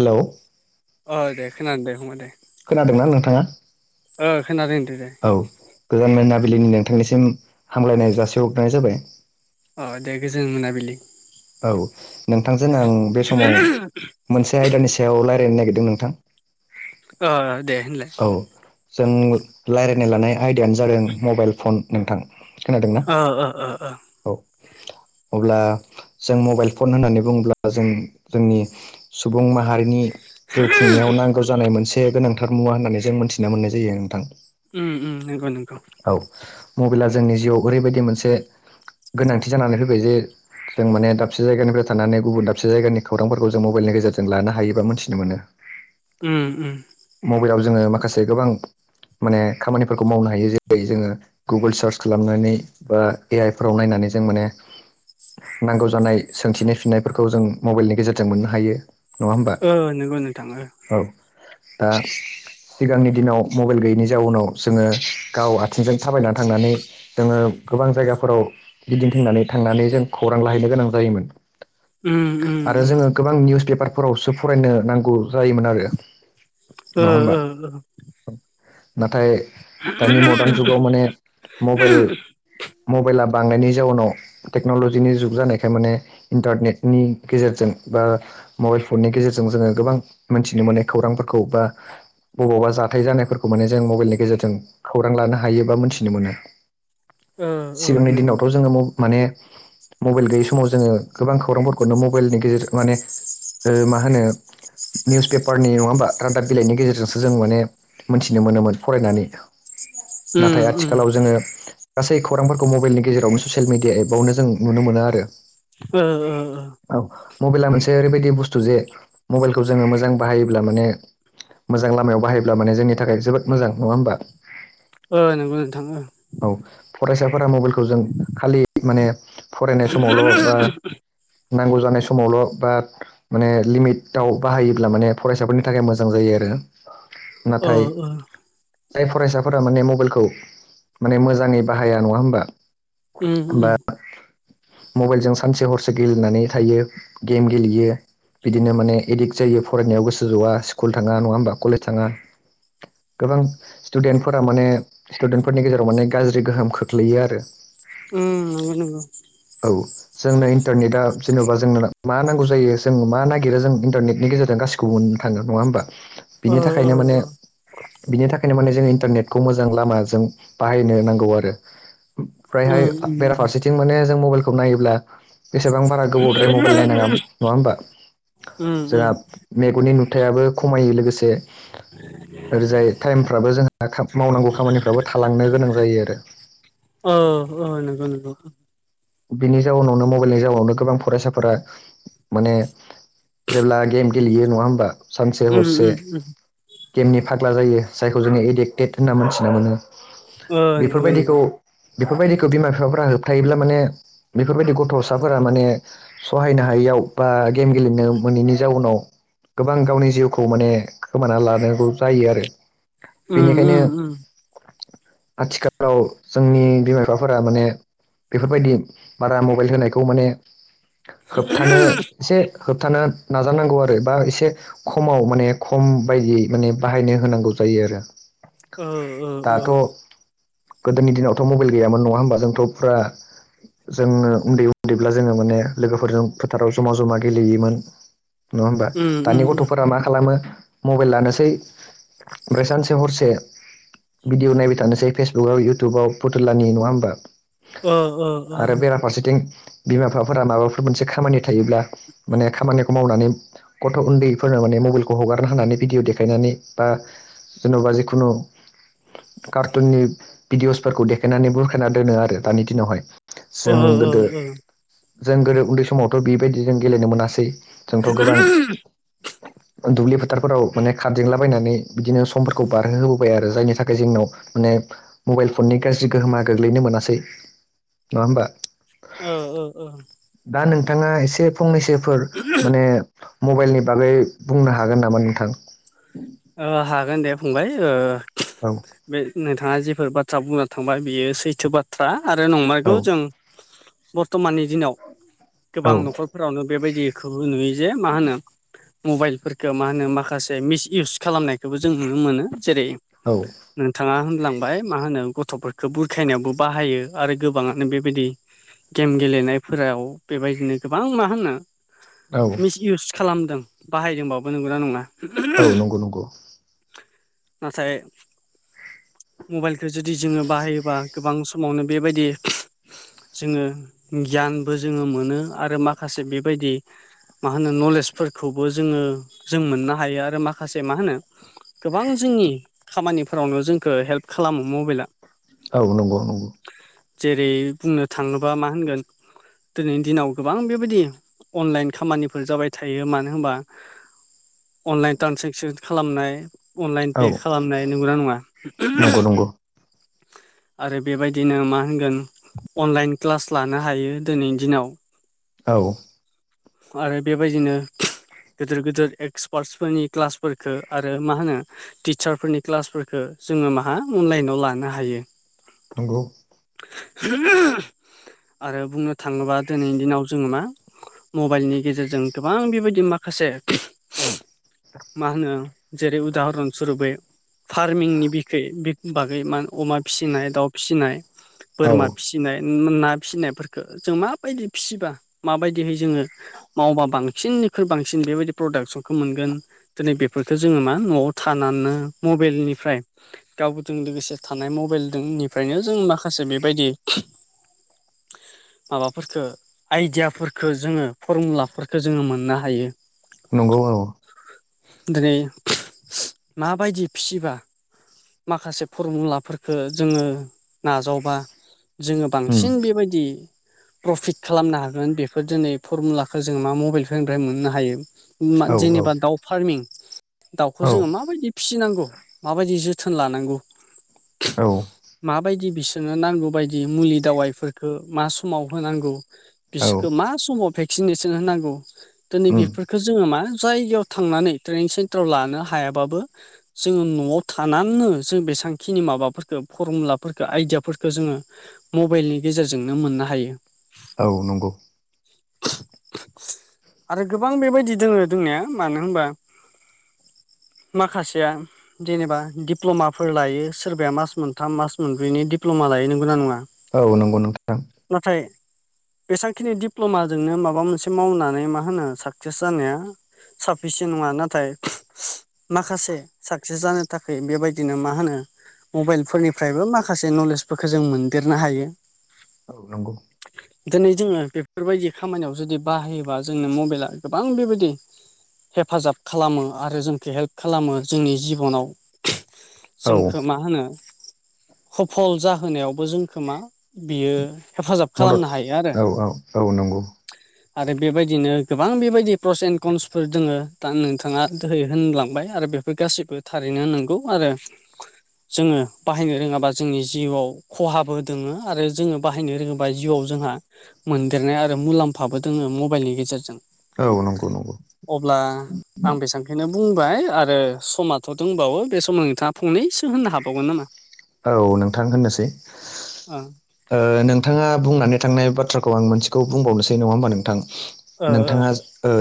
Hello अ दे खोनानो दे फंबाय दे खोनादोंना नोंथाङा? ओ खोनादों होनदो दे औ गोजान मोनाबिलिनि नोंथांनिसिम हामलायनाय जासिहरग्रोनाय जाबाय। अ दे गोजोन मोनाबिलि। औ नोंथांजों आं बे समाव मोनसे आयदानि सायाव रायलायनो नागिरदों नोंथां। अ दे होनलाय औ जों रायजलायनाय लानाय आयदायानो जादों मबाइल फन नोंथां। खोनादोंना? ओ ओ ओ औ। अब्ला जों मबाइल फन होननानै बुङोब्ला जों जोंनि सुबुं माहारिनि जिउ खुंनायाव नांगौ जानाय मोनसे गोनांथार मुवा होननानै जों मोनथिना मोननाय जायो नोंथां। उम उम नंगौ नंगौ। औ मबाइला जोंनि जिउआव ओरैबायदि मोनसे गोनांथि जानानै फैबाय जे जों माने दाबसे जायगानिफ्राय थानानै गुबुन दाबसे जायगानि खौरांफोरखौ जों मबाइलनि गेजेरजों लानो हायोबा मिथिनो मोनो। ओम ओम मबाइलाव जोङो माखासे गोबां माने खामानिफोरखौ मावनो हायो जेरै जोङो गुगोल सार्च खालामनानै बा ए आइफ्राव नायनानै जों माने नांगौ जानाय सोंथिनि फिननायफोरखौ जों मबाइलनि गेजेरजों मोननो हायो। नङा होमबा ओ नंगौ नोंथां ओ। औ दा सिगांनि दिनाव मबाइल गैयैनि जाउनाव जोङो गाव आथिंजों थाबायनानै थांनानै जोङो गोबां जायगाफोराव गिदिंथिनानै थांनानै जों खौरां लाहैनो गोनां जायोमोन। उम उम आरो जोङो गोबां निउस पेपारफोरावसो फरायनो नांगौ जायोमोन आरो उम ओ नङा होमबा ओ नाथाय दानि मदार्न जुगाव ओ माने मबाइल मबाइला बांनायनि जाउनाव टेक्न'लजिनि जुग जानायखाय माने इन्टारनेटनि गेजेरजों बा मबाइल फननि गेजेरजों जोङो गोबां मोनथिनो मोननाय खौरांफोरखौ बा बबावबा जाथाय जानायफोरखौ माने जों मबाइलनि गेजेरजों खौरां लानो हायो बा मिथिनो मोनो सिगांनि नंगौ दिनावथ' जोङो माने मबाइल गैयै समाव जोङो गोबां खौरांफोरखौनो मबाइलनि गेजेरजों माने मा होनो निउस पेपारनि नङा हबा रादाब बिलाइनि गेजेरजोंसो जों माने मोनथिनो मोनोमोन फरायनानै उम नाथाय उम आथिखालाव जोंङो गासै खौरांफोरखौ मबाइलनि गेजेरावनो ससियेल मिडिया एबावनो जों नुनो मोनो आरो ओ ओ ओ औ मबाइला मोनसे ओरैबायदि बुस्थु जे मबाइलखौ जोंङो मोजां बाहायोब्ला माने मोजां लामायाव बाहायोब्ला माने जोंनि थाखाय जोबोद मोजां नङा होमबा ओ नंगौ नोंथा ओ औ फरायसाफोरा मबाइलखौ जों खालि माने फरायनाय समावल' बा नांगौ जानाय समावल' बा माने लिमिटाव बाहायोब्ला माने फरायसाफोरनि थाखाय मोजां मोजां जायो आरो ओ नाथाय ओ जाय फरायसाफोरा माने मबाइलखौ माने मोजाङै बाहाया नङा होमबा उम बा उम। मबाइलजों सानसे हरसे गेलेनानै थायो गेम गेलेयो। बिदिनो माने एडिक्ट जायो फरायनायाव गोसो जवा स्कुल थाङा नङा ह होनोमबा कलेज थाङा। गोबां स्टुडेन्टफोरा माने स्टुडेन्टफोरनि गेजेराव माने गाज्रि गोहोम खोख्लैयो आरो। उम नोंगौ नोंगौ। औ। जोंनो इन्टारनेटा जेन'बा जोंनो मा नांगौ जायो जों मा नागिरो जों इन्टारनेटनि गेजेरजों गासैबो गुबुन थांगोन नङा होमबा ओ बिनि ओ थाखायनो माने। ओ बिनि थाखायनो माने जों इन्टारनेटखौ मोजां लामाजों बाहायनो नांगौ आरो। ओमफ्रायहाय उम उम बेराफारसेथिं माने जों मबाइलखौ नायोब्ला। बेसेबां बारा गोबावद्राय मबाइल नायनाङा नङा होमबा उम उम जोंहा। मेगननि नुथायाबो खमायो लोगोसे। ओरैजाय टाइमफ्राबो जोंहा मावनांगौ खामानिफ्राबो थालांनो गोनां जायो आरो। अ अ नंगौ नंगौ। बिनि जाउनावनो मबाइलनि जाउनावनो गोबां फरायसाफोरा माने। जेब्ला गेम गेलेयो नङा होमबा सानसे उम हरसे। उम उम गेमनि फाग्ला जायो जायखौ जोङो एडिक्टेड होनना मोनथिना मोनो ओ बेफोर नंगौ नंगौ बायदिखौ बेफोरबायदिखौ बिमा बिफाफोरा होबथायायोब्ला माने बेफोरबायदि गथ'साफोरा माने। सहायनो हायैयाव बा गेम गेलेनो मोनैनि जाउनाव। गोबां गावनि जिउखौ माने खोमाना लानांगौ जायो आरो उम बेनिखायनो। उम उम आथिखालाव जोंनि बिमा बिफाफोरा माने बेफोर बायदि बारा मबाइल होनायखौ माने होबथानो एसे। होबथानो नाजानांगौ आरो बा एसे खमाव माने खम बायदियै माने बाहायनो होनांगौ जायो आरो। ओ ओ ओ दाथ' गोदोनि दिनावथ' मबाइल गैयामोन नङा होमबा जोंथ' फुरा। जोङो उन्दै उन्दैब्ला जोङो माने लोगोफोरजों फोथाराव जमा जमा गेलेयोमोन। नङा होमबा उम उम दानि उम गथ'फोरा मा खालामो मबाइल लानोसै उमफ्राय सानसे हरसे भिडिअ नायबाय थानोसै फेसबुकाव इउटुबाव फुथुलानि नङा होनोमबा? ओ ओ। ओ आरो बेराफारसेथिं बिमा बिफाफोरा माबाफोर मोनसे खामानि थायोब्ला माने खामानि। मावनानै गथ' उन्दैफोरनो माने मबाइलखौ हगारनो हानानै भिडिअ देखायनानै बा जेन'बा जिखुनु कार्टुननि भिडिअसफोरखौ देखायनानै बुरखायना दोनो आरो दानि दिनावहाय। ओ जों ओ गोदो जों गोदो उन्दै समावथ बेबायदि जों गेलेनो मोनासै। जोंथ गोबां। दुब्लि फोथारफोराव माने खारदेंलाबायनानै बिदिनो समफोरखौ बारहो होोबोबाय आरो जायनि थाखाय जोंनाव। माने मबाइल फननि गाज्रि गोहोमा गोग्लैनो मोनासै। नङा होनबा? औ औ औ। दा नोंथाङा एसे फंनैसोफोर माने। मबाइलनि बागै बुंनो हागोन नामा नोंथां। हागोन दे फंबाय। औ। बे नोंथाङा जिफोर बाथ्रा बुंना थांबाय बियो सैथो बाथ्रा आरो औ नंमगौ जों बर्थमाननि दिनाव औ गोबां न'खरफोरावनो बेबायदिखौबो नुयो। म मब मा मसे मि खालामनाय बेबो जों नुनो मोनो जेरै नोंथाङा होनलांबाय मा होनो गथ'फोरखौ बुरखायनायावबो बाहायो आरो गोबाङानो बेबायदि। गेम गेलेनायफोराव बेबायदिनो गोबां मा होनो। औ मिस इउस खालामदों बाहायदोंबाबो नंगौना नङा? औ नंगौ नंगौ नाथाय मबाइलखौ जुदि जोङो बाहायोबा गोबां समावनो बेबायदि जोङो गियानबो जोङो मोनो आरो माखासे बेबायदि मा होनो नलेजफोरखौबो जोङो जों मोननो हायो आरो माखासे मा होनो? गोबां जोंनि खामानिफोरावनो जोंखौ हेल्प खालामो मबाइला। औ नंगौ नंगौ। जेरै बुंनो थाङोबा मा होनगोन दिनैनि दिनाव गोबां बेबायदि अनलाइन खामानिफोर जाबाय थायो मानो होनबा अनलाइन टान्जक्सन खालामनाय अनलाइन औ पे खालामनाय नंगौना नङा? नंगौ नंगौ आरो बेबायदिनो मा होनगोन अनलाइन क्लास लानो हायो दिनैनि दिनाव। औ आरो बेबायदिनो गिदिर गिदिर एक्सपार्टफोरनि क्लास फोरखौ आरो मा होनो टिचारफोरनि क्लासफोरखौ जोङो मा अनलाइनाव लानो हायो। नंगौ आरो बुंनो थाङोबा दिनैनि दिनाव जोङो मा मबाइलनि गेजेरजों गोबां बेबायदि माखासे मा होनो जेरै उदाहरन सुरुबै फार्मिनि बिखै बागै मा अमा फिसिनाय दाउ फिसिनाय औ बोरमा फिसिनाय ना फिसिनायफोरखौ जों माबायदि फिसिबा माबायदिहै जोङो मावबा बांसिननिख्रुइ बांसिन बेबायदि प्रडाक्सनखौ मोनगोन‌ दिनै बेफोरखौ जोङो मा न'आव थानानैनो मबाइलनिफ्राय गावजों लोगोसे थानाय मबाइलजोंनिफ्रायनो जों माखासे बेबायदि माबाफोरखौ आइदियाफोरखौ जोङो फरमुलाफोरखौजोङो मोननो हायो। नंगौ औ। दिनै मा बायदि फिबा? माखासे फरमुलाफोरखौ जोङो नाजावबा जोङो उम बांसिन बेबायदि प्रफिट खालामनो हागोन बेफोर दिनै फरमुलाखौ जों मा मबाइलफोरनिफ्राय मोननो हायो। औ जेनेबा दाउ फार्मिं दाउखौ औ जोङो माबायदि फिसिनांगौ माबायदि जोथोन लानांगौ औ माबायदि बिसोरनो नांगौ बायदि मुलि दावाइफोरखौ मा समाव होनांगौ? औ बिसोरखौ मा समाव भेक्सिनेसन होनांगौ दिनै उम बेफोरखौ जोङो मा जायगायाव थांनानै ट्रेनिं सेन्टाराव लानो हायाबाबो जोङो न'आव थानानैनो जों बेसेबांखिनि माबाफोरखौ फरमुलाफोरखौ आइदियाफोरखौ जोङो मबाइलनि गेजेरजोंनो मोननो हायो। औ नंगौ। आरो गोबां बेबायदि दोङो दोंनाया मानो होनबा माखासेया जेनेबा दिप्ल'माफोर लायो सोरबाया मास मोनथाम मास मोनब्रैनि दिडप्ल'मा लायो नोंगौना नङा? औ नंगौ नोंथां। नाथाय बेसांखिनि दिप्ल'माजोंनो माबा मोनसे मावनानै मा होनो साक्सिस जानाया साफिसन नङा नाथाय माखासे साक्सिस जानो थाखाय बेबायदिनो मा होनो मबाइलफोरनिफ्रायबो माखासे नलेजफोरखौ जों मोनदेरनो हायो। औ नंगौ। दिनै जोङो बेफोरबायदि खामानियाव जुदि बाहायोबा जोंनो मबेला गोबां बेबायदि हेफाजाब खालामो आरो जोंखौ हेल्प खालामो जोंनि जिबनाव। औ जोंखौटो मा होनो खफल जाहोनायावबो जोंखो मा बेयो हेफाजाब मदद खालामनो हायो आरो। औ औ औ नंगौ आरो बेबायदिनो गोबां बेबायदि प्रसेन कन्सफोर दोङो। दा नोंथाङा दोहै होनलांबाय आरो बेफोर गासैबो थारैनो नोंगौ आरो जोङो बाहायनो रोङाबा जोंनि जिउआव खहाबो दोङो आरो जोङो बाहायनो रोङोबा जिउआव जोंहा मोनदेरनाय आरो मुलाम्फाबो दोङो मबेलनि गेजेरजों औ नंगौ नंगौ। अब्ला आं बेसेबांखनो बुंबाय आरो समाथ' दोंबावो बे समाव नोंथाङा फंनैसो होननो हाबावगोन नामा? औ नोंथां होननोसै ओ। नोंथाङा बुंनानै थांनाय बाथ्राखौ आं मोनसेखौ बुंबावनोसै नङा होमबा नोंथां। ओ ओ नोंथाङा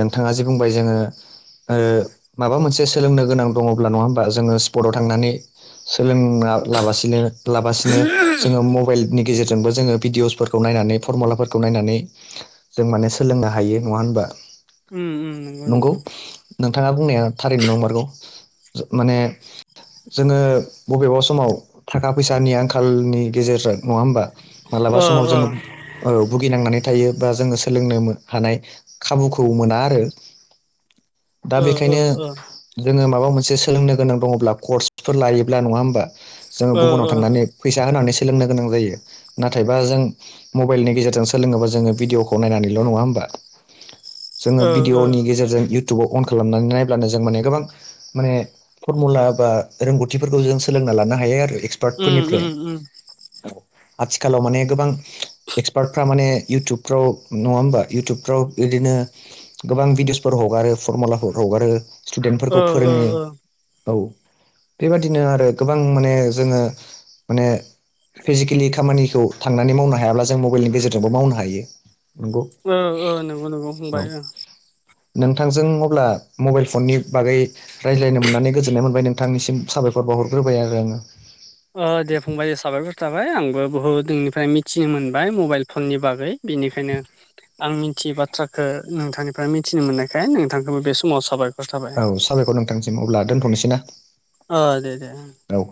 नोंथाङा जे बुंबाय जोङो माबा मोनसे सोलोंनो गोनां दङब्ला नङा होमबा जोङो स्पर्टआव थांनानै सोलोंना लाबासिनो लाबासिनो जोङो मबेल नि गेजेरजोंबो जोङो भिडिअसफोरखौ नायनानै फरमुलाफोरखौ नायनानै जों माने सोलोंनो हायो नङा होनबा? उम। नंगौ नोंथाङा बुंनाया थारैनो नंमारगौ। माने जोङो बबेबा समाव थाखा फैसानि आंखालनि गेजेरजों नङा होमबा? ओ मालाबा समाव ओ जोङो ओ भुगिनांनानै थायो बा जोङो सोलोंनो हानाय खाबुखौ मोना आरो। दा ओ बेखायनो ओ जोङो माबा मोनसे सोलोंनो गोनां दङब्ला कर्सफोर लायोब्ला नङा होमबा। जोङो ओ गुबुनाव थांनानै फैसा होनानै सोलोंनो गोनां जायो। नाथायबा जों मबाइलनि गेजेरजों सोलोङोबा जोङो भिडिअखौ नायनानैल' नङा होमबा। जोङो ओ ओ भिडिअनि गेजेरजों इउटुबाव अन खालामनानै नायब्लानो जों माने गोबां माने फरमुला बा रोंगौथिफोरखौ जों सोलोंना लानो हायो आरो एक्स उम उम उम। आथिखालाव माने गोबां एक्सपार्टफ्रा माने इउटुबफ्राव नङा होमबा यउटुबफ्राव इदिनो गोबां भिडिअसफोर हगारो, फरमुलाफोर हगारो, ओ स्टुदेन्टफोरखौ ओ फोरोङो। ओ औ बेबादिनो आरो गोबां माने जोङो माने फिजिकेलि खामानिखौ थांनानै मावनो हायाब्ला जों मबाइलनि गेजेरजोंबो मावनो हायो। नंगौ ओ ओ नंगौ नंगौ औ फंबाय ओ। नोंथांजों अब्ला मबाइल फननि बागै रायज्लायनो मोननानै गोजोननाय मोनबाय नोंथांनिसिम साबायखर बावहरग्रोबाय आरो आङो। दे फंबाय दे साबायफोर थाबाय आंबो बुहुद नोंनिफ्राय मिथिनो मोनबाय मबाइल फननि बागै। बिनिखायनो आं मिथियै बाथ्राखौ नोंथांनिफ्राय मिथिनो मोननायखाय नोंथांखौबो बे समाव साबाय औ साबायखर नोंथांसिम अब्ला दोनथ'नोसै ना। अ दे दे। औ।